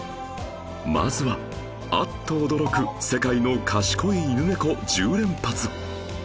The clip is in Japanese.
まずは、アッと驚く世界の賢い犬・猫１０連発